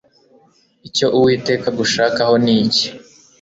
icyo uwiteka agushakaho ni iki